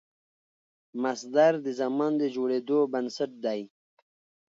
مصدر د زمان د جوړېدو بنسټ دئ.